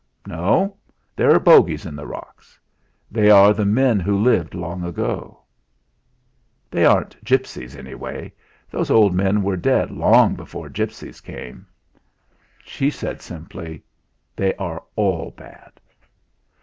"No! There are bogies in the rocks; they are the men who lived long ago." "They aren't gipsies, anyway; those old men were dead long before gipsies came." She said simply: "They are all bad."